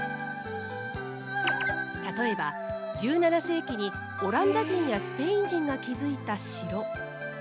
例えば１７世紀にオランダ人やスペイン人が築いた城。